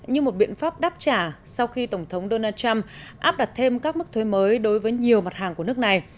như một biện pháp đáp trả sau khi tổng thống donald trump áp đặt thêm các mức thuế mới đối với nhiều mặt hàng của nước này